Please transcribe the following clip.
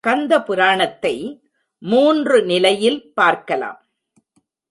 கந்தபுராணத்தை மூன்று நிலையில் பார்க்கலாம்.